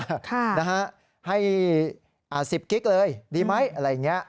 ค่ะนะฮะให้๑๐กิกเลยดีไหมอะไรอย่างนี้